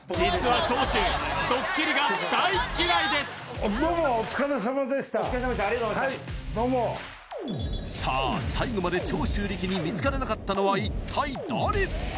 はいどうもさあ最後まで長州力に見つからなかったのは一体誰？